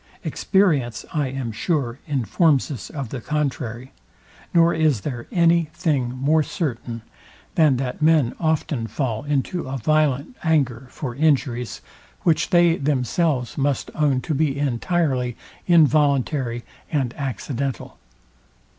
Experience, I am sure, informs us of the contrary, nor is there any thing more certain, than that men often fall into a violent anger for injuries, which they themselves must own to be entirely involuntary and accidental.